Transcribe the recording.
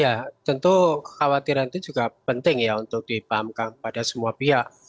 ya tentu kekhawatiran itu juga penting ya untuk dipahamkan kepada semua pihak